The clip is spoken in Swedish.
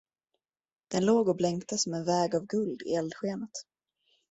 Den låg och blänkte som en väg av guld i eldskenet.